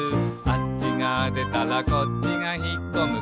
「あっちがでたらこっちがひっこむ」